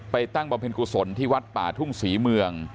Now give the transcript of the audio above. ตั้งบำเพ็ญกุศลที่วัดป่าทุ่งศรีเมือง